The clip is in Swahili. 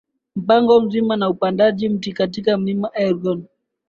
mpango mzima wa upandaji miti katika mlima elgon